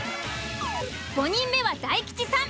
５人目は大吉さん。